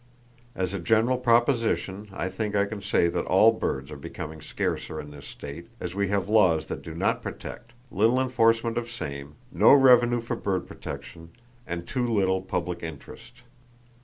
As a general proposition I think I can say that all birds are becoming scarcer in this state, as we have laws that do not protect, little enforcement of same, no revenue for bird protection and too little public interest.